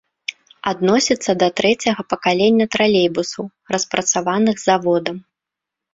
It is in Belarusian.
Адносіцца да трэцяга пакалення тралейбусаў, распрацаваных заводам.